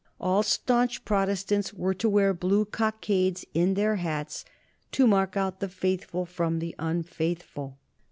All stanch Protestants were to wear blue cockades in their hats to mark out the faithful from the unfaithful.